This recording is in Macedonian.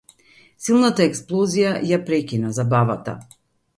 Силната експлозија ја прекина забавата.